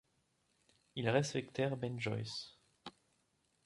Ils respectèrent Ben Joyce!